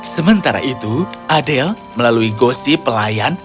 sementara itu adel melalui gosi pelayan